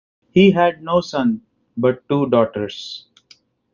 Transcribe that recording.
He had no son but two daughters.